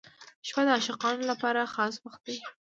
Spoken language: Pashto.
• شپه د عاشقانو لپاره خاص وخت دی.